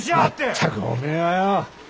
全くおめえはよ。